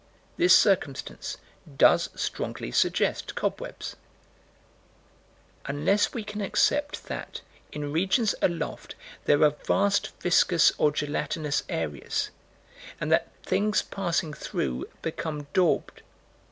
This circumstance does strongly suggest cobwebs Unless we can accept that, in regions aloft, there are vast viscous or gelatinous areas, and that things passing through become daubed.